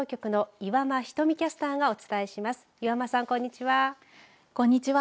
岩間さん、こんにちは。